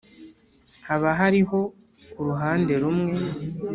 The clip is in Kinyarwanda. haba hariho ku ruhande rumwe